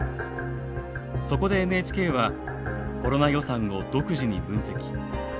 そこでＮＨＫはコロナ予算を独自に分析。